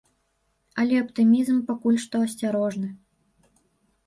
Але аптымізм пакуль што асцярожны.